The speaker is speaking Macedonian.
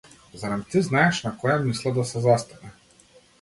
Зарем ти знаеш на која мисла да се застане!